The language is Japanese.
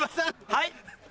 はい。